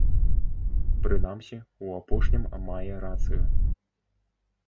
Прынамсі ў апошнім мае рацыю.